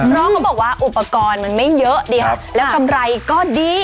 เพราะเขาบอกว่าอุปกรณ์มันไม่เยอะดีครับแล้วกำไรก็ดี